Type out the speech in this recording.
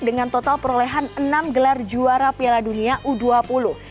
dengan total pergelaran u dua puluh